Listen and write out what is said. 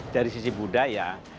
dari sisi budaya